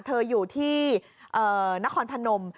เธออยู่ที่นครพนม